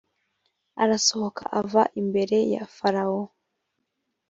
arasohoka ava imbere ya farawo